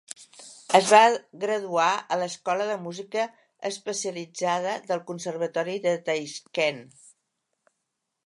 Es va graduar a l'escola de música especialitzada del conservatori de Taixkent.